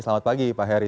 selamat pagi pak heri